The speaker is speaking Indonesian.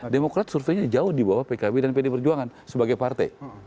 demokrat surveinya jauh di bawah pkb dan pd perjuangan sebagai partai